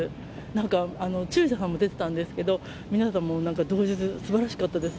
なんか中車さんも出てたんですけど、皆さんもう動じず、すばらしかったです。